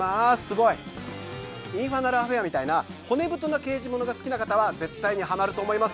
『インファナル・アフェア』みたいな骨太な刑事ものが好きな方は絶対にハマると思います。